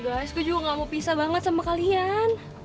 guys gue juga gak mau pisah banget sama kalian